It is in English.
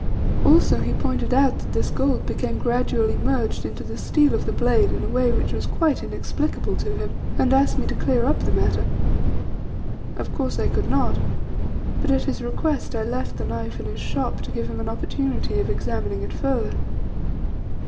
Also he pointed out that this gold became gradually merged into the steel of the blade in a way which was quite inexplicable to him, and asked me to clear up the matter. Of course I could not, but at his request I left the knife in his shop to give him an opportunity of examining it further.